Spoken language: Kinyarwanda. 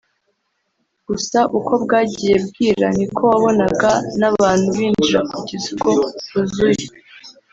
gusa uko bwagiye bwira ni ko wabonaga n’abantu binjira kugeza ubwo huzuye